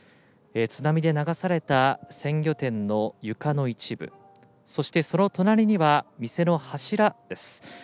津波で流された鮮魚店の床の一部そして、隣には店の柱です。